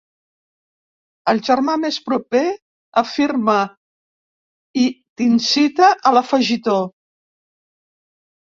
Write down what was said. El germà més proper afirma i t'incita a l'afegitó.